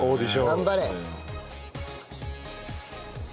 頑張れ。